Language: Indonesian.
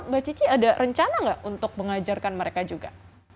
mbak cici ada rencana nggak untuk mengajarkan mereka juga